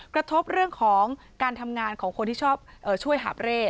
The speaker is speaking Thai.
กระทบเรื่องของการทำงานของคนที่ชอบช่วยหาบเร่